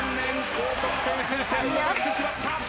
高得点風船逃してしまった。